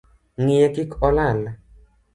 Ngiye kik olal